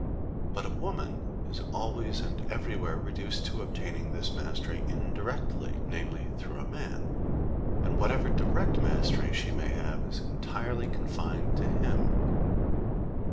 But a woman is always and everywhere reduced to obtaining this mastery indirectly, namely, through a man; and whatever direct mastery she may have is entirely confined to him.